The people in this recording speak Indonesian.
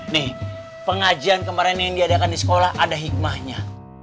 nih pengajian kemarin yang diadakan di sekolah ada hikmahnya